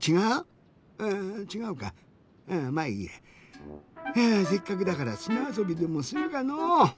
うちがうかまあいいや。えせっかくだからすなあそびでもするかのう。